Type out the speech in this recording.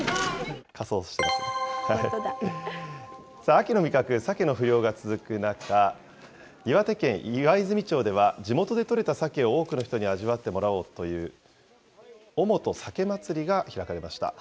秋の味覚、さけの不漁が続く中、岩手県岩泉町では、地元で取れたさけを多くの人に味わってもらおうという、おもと鮭まつりが開かれました。